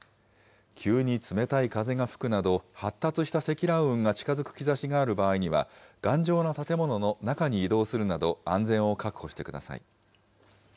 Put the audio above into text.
急に冷たい風が吹くなど発達した積乱雲が近づく兆しがある場合には、頑丈な建物の中に移動するなど、安全を確保してください。